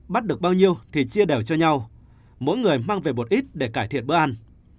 bắt được bao nhiêu thì chia đều cho nhau mỗi người mang về bột ít để cải thiện bữa ăn